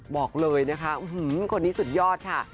บอกเลยนะคะอื้อหือคนนี้สุดยอดค่ะ